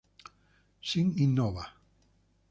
Sin innova!